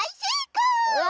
うわ！